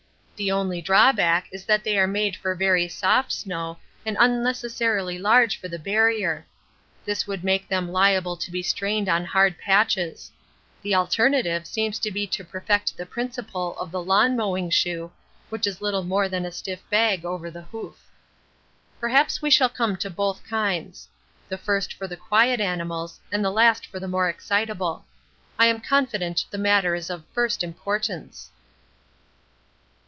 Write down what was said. The only drawback is that they are made for very soft snow and unnecessarily large for the Barrier; this would make them liable to be strained on hard patches. The alternative seems to be to perfect the principle of the lawn mowing shoe, which is little more than a stiff bag over the hoof. Perhaps we shall come to both kinds: the first for the quiet animals and the last for the more excitable. I am confident the matter is of first importance.